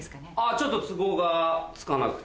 ちょっと都合がつかなくて。